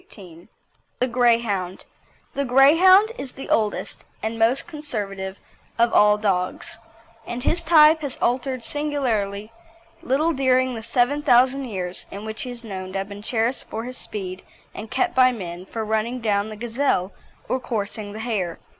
CHAPTER XVIII THE GREYHOUND The Greyhound is the oldest and most conservative of all dogs, and his type has altered singularly little during the seven thousand years in which he is known to have been cherished for his speed, and kept by men for running down the gazelle or coursing the hare.